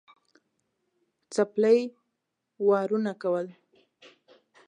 څپلۍ وارونه کول.